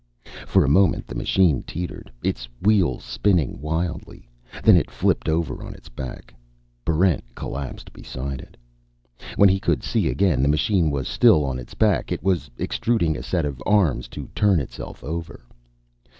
For a moment the machine teetered, its wheels spinning wildly. Then it flipped over on its back. Barrent collapsed beside it. When he could see again, the machine was still on its back. It was extruding a set of arms to turn itself over.